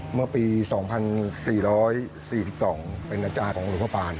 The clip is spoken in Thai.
เมื่อปี๒๔๔๒เป็นอาจารย์ของหลวงพ่อปาน